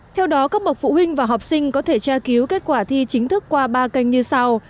theo đó các bậc phụ huynh và học sinh có thể tra cứu kết quả thi chính thức qua ba kênh như sau